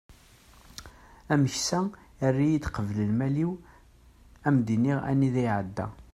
ameksa err-iyi-d qbel lmal-iw ad am-d-inin anida iεedda